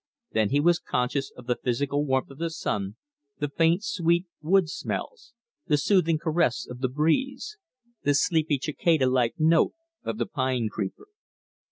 Then he was conscious of the physical warmth of the sun, the faint sweet woods smells, the soothing caress of the breeze, the sleepy cicada like note of the pine creeper.